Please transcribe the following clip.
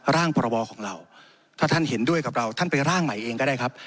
พรบของเราถ้าท่านเห็นด้วยกับเราท่านไปร่างใหม่เองก็ได้ครับ